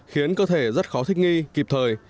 khiến cơ thể rất khó thích nghi kịp thời